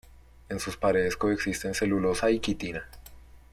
En sus paredes coexisten celulosa y quitina.